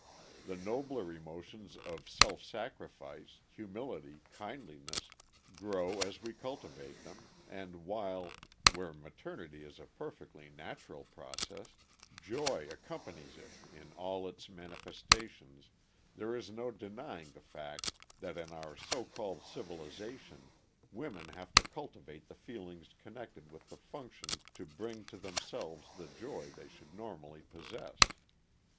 The nobler emotions of self sacrifice, humility, kindliness, grow as we cultivate them, and while, where maternity is a perfectly natural process, joy accompanies it in all its manifestations, there is no denying the fact that in our so called civilization women have to cultivate the feelings connected with the function to bring to themselves the joy they should normally possess.